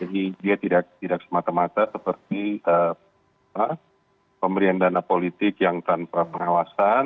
jadi dia tidak semata mata seperti pemberian dana politik yang tanpa pengawasan